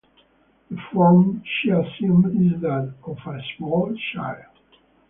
The form she assumes is that of a small child.